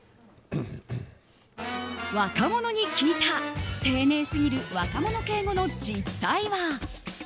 若者に聞いた丁寧すぎる若者敬語の実態は。